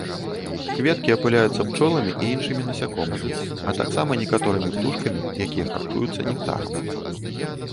Кветкі апыляюцца пчоламі і іншымі насякомымі, а таксама некаторымі птушкамі, якія харчуюцца нектарам.